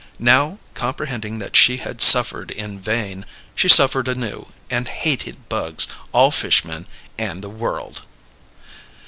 Now, comprehending that she had suffered in vain, she suffered anew, and hated bugs, all fish men, and the world.